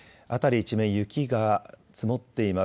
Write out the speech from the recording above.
一面、雪が積もっています。